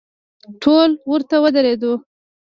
ټول ورته ودریدو.